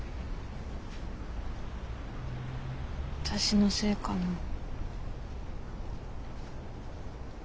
私のせいかな？